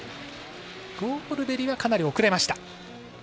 ゴールベリはかなり遅れました。